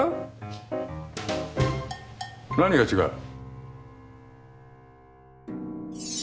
何が違う？